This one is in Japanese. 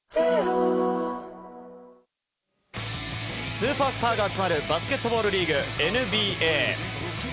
スーパースターが集まるバスケットボールリーグ、ＮＢＡ。